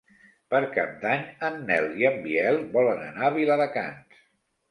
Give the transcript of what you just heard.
Per Cap d'Any en Nel i en Biel volen anar a Viladecans.